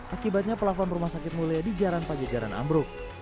akibatnya pelafon rumah sakit mulia di jalan pajajaran ambruk